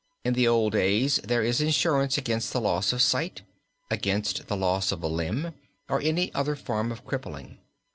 In the old days there is insurance against the loss of sight, against the loss of a limb, or any other form of crippling.